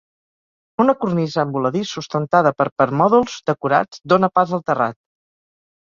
Una cornisa en voladís sustentada per permòdols decorats dóna pas al terrat.